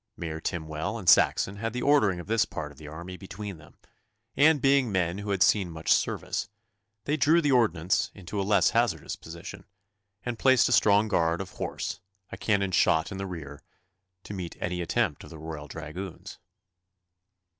Mayor Timewell and Saxon had the ordering of this part of the army between them, and being men who had seen much service, they drew the ordnance into a less hazardous position, and placed a strong guard of horse, a cannon's shot in the rear, to meet any attempt of the Royal dragoons.